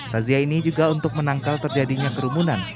razia ini juga untuk menangkal terjadinya kerumunan